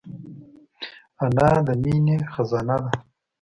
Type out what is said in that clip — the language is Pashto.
انا د مینې خزانه ده